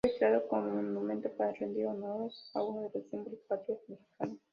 Fue creado como monumento para rendir honores a uno de los símbolos patrios mexicanos.